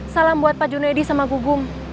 salam buat pak junedi sama gugum